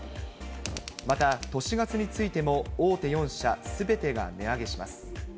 また、都市ガスについても、大手４社すべてが値上げします。